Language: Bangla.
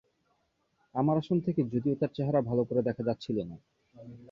আমার আসন থেকে যদিও তার চেহারা ভালো করে দেখা যাচ্ছিল না।